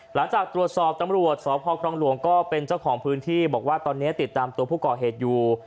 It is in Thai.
หลังจากตรวจสอบตำรวจสพครองหลวงก็เป็นเจ้าของพื้นที่บอกว่าตอนนี้ติดตามตัวผู้ก่อเหตุอยู่